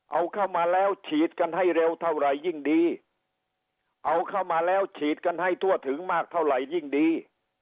เอาเข้ามาแล้วฉีดกันให้เร็วเท่าไหร่ยิ่งดีเอาเข้ามาแล้วฉีดกันให้ทั่วถึงมากเท่าไหร่ยิ่งดี